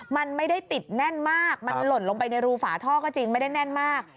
มันไม่ได้ติดแน่นมากมันหล่นลงไปในรูฝาท่อก็จริงไม่ได้แน่นมาก